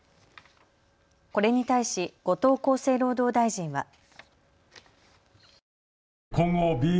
これに対し後藤厚生労働大臣は。